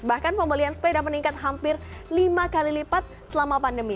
bahkan pembelian sepeda meningkat hampir lima kali lipat selama pandemi